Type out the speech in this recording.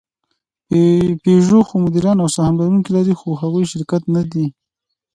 پيژو څو مدیران او سهم لرونکي لري؛ خو هغوی شرکت نهدي.